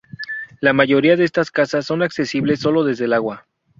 La mayoría de estas casas son accesibles sólo desde el agua.